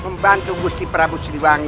membantu gusti prabu siliwangi